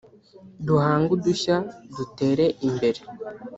duhange udushya dutere imbere”.